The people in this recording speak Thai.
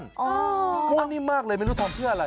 อ๋อนี่มันนิ่มมากเลยไม่รู้ทำเพื่ออะไร